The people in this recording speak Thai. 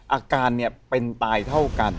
อาการเนี่ยเป็นตายเท่ากัน